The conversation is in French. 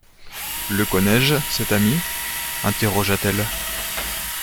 Le connais-je, cet ami ? interrogea-t-elle.